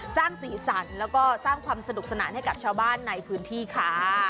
สร้างสีสันแล้วก็สร้างความสนุกสนานให้กับชาวบ้านในพื้นที่ค่ะ